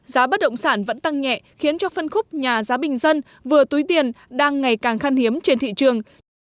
giá bất động sản vẫn tăng nhẹ khiến cho phân khúc nhà giá bình dân vừa túi tiền đang ngày càng khăn hiếm trên thị trường